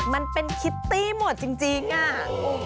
มันเป็นคิตตี้หมดจริงอ่ะ